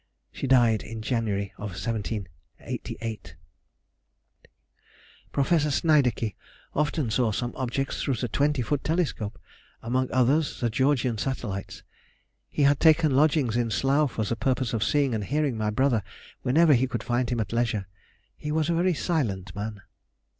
(She died in January of 1788.) Professor Snaidecky often saw some objects through the twenty foot telescope, among others the Georgian satellites. He had taken lodgings in Slough for the purpose of seeing and hearing my brother whenever he could find him at leisure; he was a very silent man.